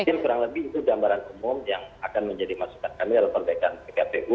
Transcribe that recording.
sekirang lebih itu gambaran umum yang akan menjadi masukan kami dalam perbaikan kpu